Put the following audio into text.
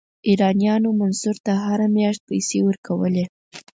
ایرانیانو منصور ته هره میاشت پیسې ورکولې.